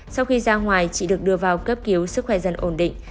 sau khi ra ngoài chị được đưa vào cấp cứu sức khỏe dần ổn định